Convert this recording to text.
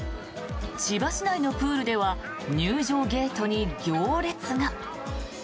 千葉市内のプールでは入場ゲートに行列が。